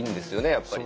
やっぱりね。